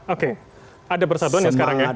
oke ada persatuan ya sekarang ya